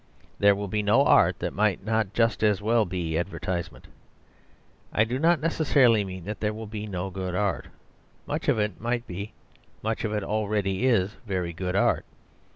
There will be no art that might not just as well be advertisement. I do not necessarily mean that there will be no good art; much of it might be, much of it already is, very good art.